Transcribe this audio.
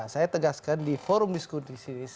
saya tegaskan di forum diskusi